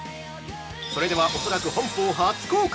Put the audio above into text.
それでは、恐らく本邦初公開！